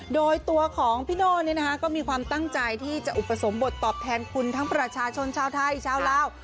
โดยตัวของพี่โน่ก็มีความตั้งใจที่จะอุปสมบทตอบแทนคุณทั้งประชาชนชาวไทยชาวลาว